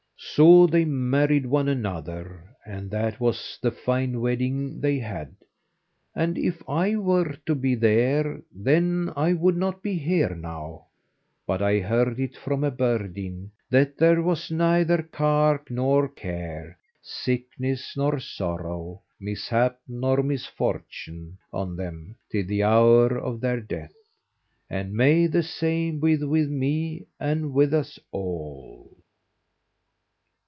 So they married one another, and that was the fine wedding they had, and if I were to be there then, I would not be here now; but I heard it from a birdeen that there was neither cark nor care, sickness nor sorrow, mishap nor misfortune on them till the hour of their death, and may the same be with me, and with us all!